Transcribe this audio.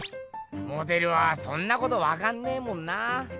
モデルはそんなことわかんねえもんな。